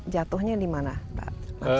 jatuhnya di mana pak